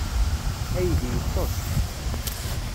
Aydi yeṭṭes.